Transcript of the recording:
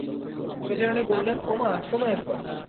মেজোরানী বলেলেন, ওমা, শোনো একবার!